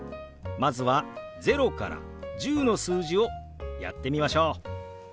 まずは０から１０の数字をやってみましょう。